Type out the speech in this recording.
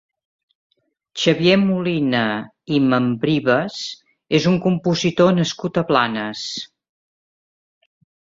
Xavier Molina i Membrives és un compositor nascut a Blanes.